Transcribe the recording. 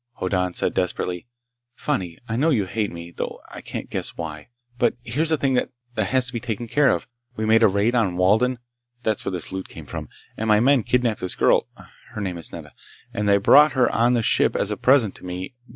Hoddan said desperately: "Fani, I know you hate me, though I can't guess why. But here's a thing that ... has to be taken care of! We made a raid on Walden ... that's where the loot came from ... and my men kidnaped this girl ... her name is Nedda ... and brought her on the ship as a present to me